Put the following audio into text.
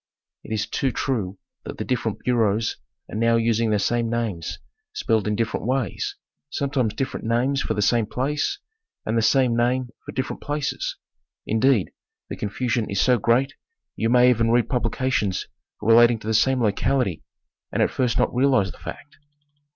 It is too true that the different bureaus are now using the same names spelled in differ ent ways, sometimes different names for the same place, and the same name for different places ; indeed, the confusion is so great you may even read publications relating to the same locality and at first not realize the fact.